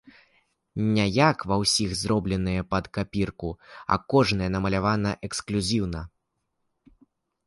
Не як ва ўсіх, зробленыя пад капірку, а кожная намалявана эксклюзіўна.